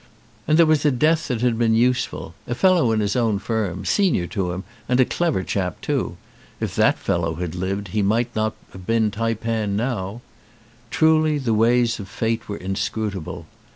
And there was a death that had been useful, a fellow in his own firm, senior to him and a clever chap too: if that fellow had lived he might not have been taipan now. Truly the ways of fate were inscrutable.